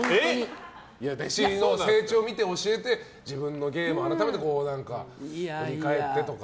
弟子の成長を見て教えて自分の芸も改めて振り返ってとか。